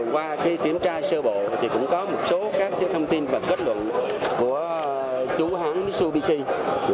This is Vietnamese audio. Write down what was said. qua khi kiểm tra sơ bộ thì cũng có một số các thông tin và kết luận của chú hãng mitsubishi